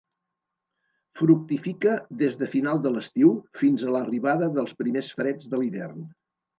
Fructifica des de final de l'estiu, fins a l'arribada dels primers freds de l'hivern.